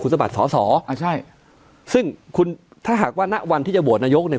สมัครสอสออ่าใช่ซึ่งคุณถ้าหากว่าณวันที่จะโหวตนายกเนี่ย